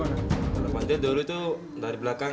biasa biasa juga malaikan